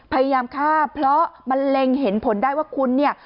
พยายามฆ่าเพราะมันเล็งเห็นผลได้ว่าคุณเนี่ย